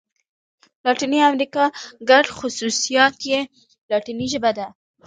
لاتیني امريکا ګډ خوصوصیات یې لاتيني ژبه ده.